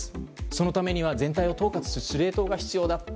そのためには全体を統括する司令塔が必要だと。